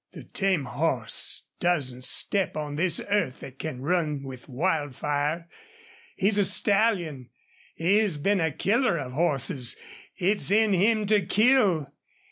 "The tame horse doesn't step on this earth that can run with Wildfire. He's a stallion. He has been a killer of horses. It's in him to KILL.